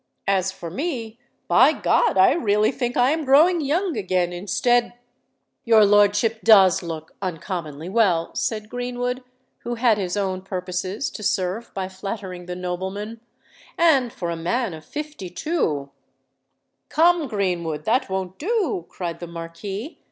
As for me, by God! I really think I am growing young again, instead——" "Your lordship does look uncommonly well," said Greenwood, who had his own purposes to serve by flattering the nobleman; "and for a man of fifty two——" "Come, Greenwood—that won't do!" cried the Marquis.